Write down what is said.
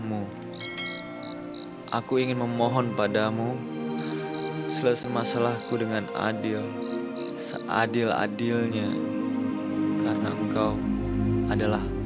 mau membunuh orang tidak bersalah